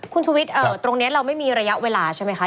คุณชุวิตตรงนี้เราไม่มีระยะเวลาใช่ไหมคะ